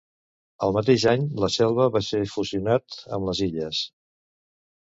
El mateix any, la Selva va ser fusionat amb les Illes.